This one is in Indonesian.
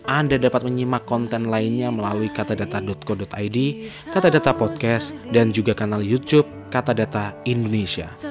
anda dapat menyimak konten lainnya melalui katadata co id katadata podcast dan juga kanal youtube katadata indonesia